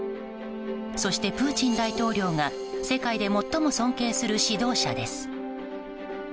そしてプーチン大統領が世界で最も尊敬する指導者です。